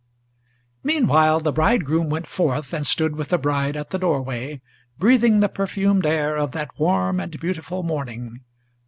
Meanwhile the bridegroom went forth and stood with the bride at the doorway, Breathing the perfumed air of that warm and beautiful morning.